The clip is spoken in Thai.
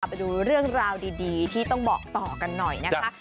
ไปดูเรื่องราวดีที่ต้องบอกต่อกันหน่อยนะคะ